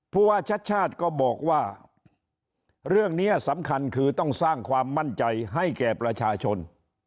ว่าชัดชาติก็บอกว่าเรื่องนี้สำคัญคือต้องสร้างความมั่นใจให้แก่ประชาชน